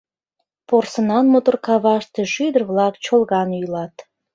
Порсынан мотор каваште шӱдыр-влак чолган йӱлат.